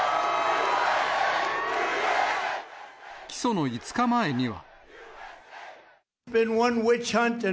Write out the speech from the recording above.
起訴の５日前には。